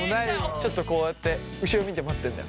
ちょっとこうやって後ろ見て待ってんだよ。